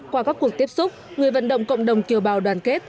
qua các cuộc tiếp xúc người vận động cộng đồng kiều bào đoàn kết